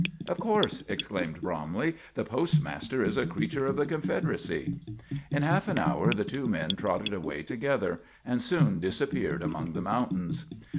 "Of course," exclaimed Bromley, "the postmaster is a creature of the Confederacy." In half an hour the two men trotted away together, and soon disappeared among the mountains.